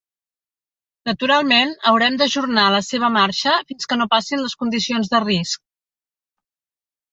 Naturalment, haurem d'ajornar la seva marxa fins que no passin les condicions de risc.